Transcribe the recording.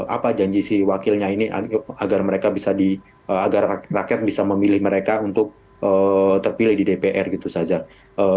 apa janji si wakilnya ini agar rakyat bisa memilih mereka untuk terpilih di dpr gitu sahzad